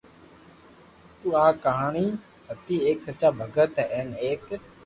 تو آ ڪہاني ھتي ايڪ سچا ڀگت ھين ايڪ